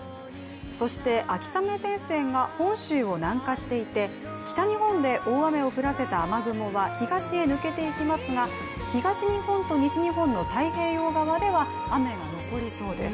そして秋雨前線が本州を南下していて北日本で大雨を降らせた雨雲は東へ抜けていきますが東日本と西日本の太平洋側では雨が残りそうです。